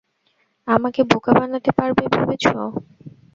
আমাকে বোকা বানাতে পারবে ভেবেছ?